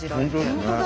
本当だ。